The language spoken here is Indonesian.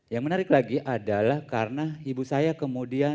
yang menarik lagi adalah karena ibu saya kemudian